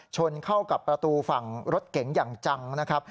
ชนเข้ากับประตูฝั่งรถเก๋งอย่างจังนะครับ